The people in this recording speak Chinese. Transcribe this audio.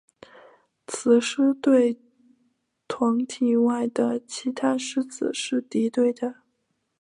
雌狮对团体外的其他狮子是敌对的。